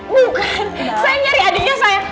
bukan saya nyari adiknya saya